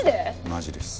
マジです。